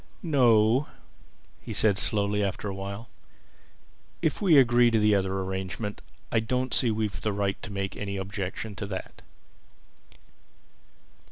"No," he said slowly after a while. "If we agree to the other arrangement I don't see that we've the right to make any objection to that."